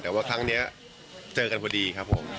แต่ว่าครั้งนี้เจอกันพอดีครับผม